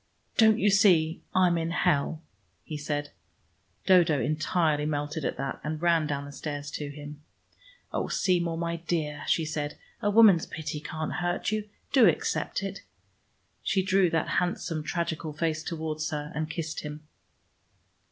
"Don't you see I'm in hell?" he said. Dodo entirely melted at that, and ran down the stairs to him. "Oh, Seymour, my dear," she said. "A woman's pity can't hurt you. Do accept it." She drew that handsome tragical face towards her, and kissed him.